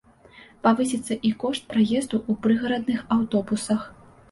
Павысіцца і кошт праезду ў прыгарадных аўтобусах.